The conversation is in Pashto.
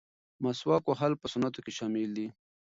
مسواک وهل په سنتو کې شامل دي.